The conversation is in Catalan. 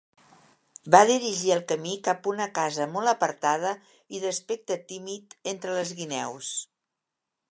Va dirigir el camí cap a una casa molt apartada i d'aspecte tímid entre les guineus.